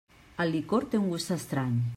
El licor té un gust estrany.